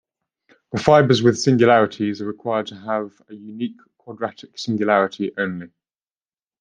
The fibres with singularities are required to have a unique quadratic singularity, only.